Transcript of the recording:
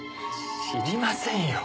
知りませんよ。